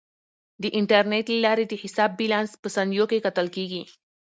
د انټرنیټ له لارې د حساب بیلانس په ثانیو کې کتل کیږي.